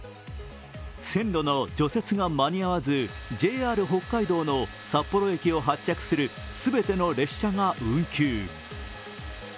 線路の除雪が間に合わず、ＪＲ北海道の札幌駅を発着する全ての列車が運休。